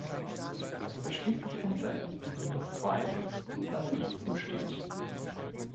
Es versteht sich von selbst, dass Weiß dann nicht gut steht.